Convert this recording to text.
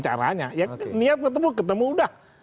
caranya ya niat ketemu ketemu udah